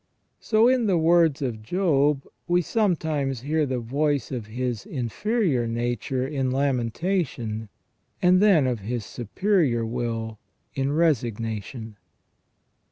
So, in the words of Job, we sometimes hear the voice of his inferior nature in lamentation, and then of his superior will in resignation.